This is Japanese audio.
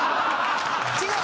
違う！